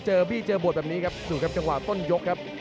บี้เจอบวชแบบนี้ครับดูครับจังหวะต้นยกครับ